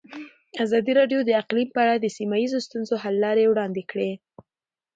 ازادي راډیو د اقلیم په اړه د سیمه ییزو ستونزو حل لارې راوړاندې کړې.